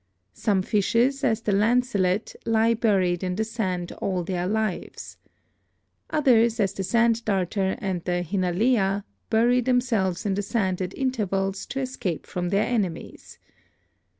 Some fishes, as the lancelet, lie buried in the sand all their lives. Others, as the sand darter and the hinalea, bury themselves in the sand at intervals to escape from their enemies.